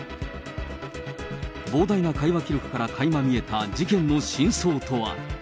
膨大な会話記録からかいま見えた事件の真相とは。